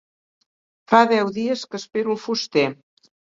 Fa deu dies que espero el fuster.